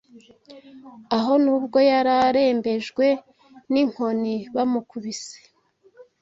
Aho nubwo yari yarembejwe n’inkoni bamukubise